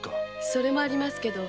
それもありますけど